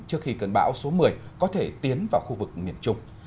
trước khi cơn bão số một mươi có thể tiến vào khu vực miền trung